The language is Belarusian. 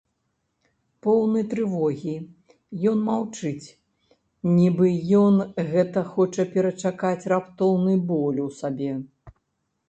Поўны трывогі, ён маўчыць, нібы ён гэта хоча перачакаць раптоўны боль у сабе.